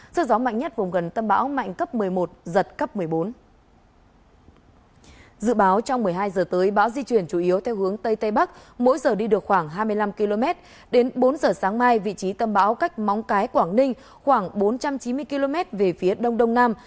sự gió mạnh nhất vùng gần tâm bão mạnh cấp một mươi một giật cấp một mươi bốn